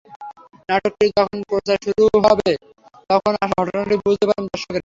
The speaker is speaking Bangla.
নাটকটির যখন প্রচার শুরু হবে তখন আসল ঘটনাটি বুঝতে পারবেন দর্শকেরা।